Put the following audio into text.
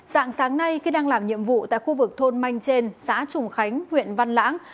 dạng sáng nay khi đang làm nhiệm vụ tại khu vực thôn manh trên xã trùng khánh huyện văn lãng